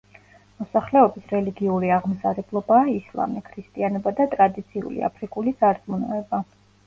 მოსახლეობის რელიგიური აღმსარებლობაა ისლამი, ქრისტიანობა და ტრადიციული აფრიკული სარწმუნოება.